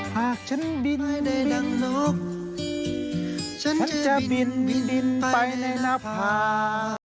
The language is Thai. หากฉันบินบินฉันจะบินบินบินไปในหน้าผ่า